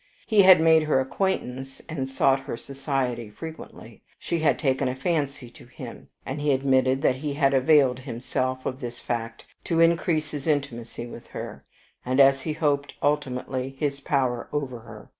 He had made her acquaintance, and sought her society frequently. She had taken a fancy to him, and he admitted that he had availed himself of this fact to increase his intimacy with her, and, as he hoped ultimately, his power over her.